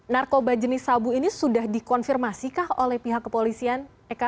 narkoba jenis sabu ini sudah dikonfirmasikah oleh pihak kepolisian